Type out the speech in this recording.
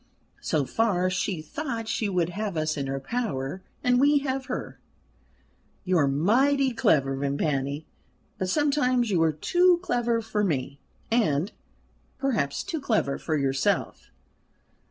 So far she thought she would have us in her power, and we have her." "You are mighty clever, Vimpany; but sometimes you are too clever for me, and, perhaps, too clever for yourself."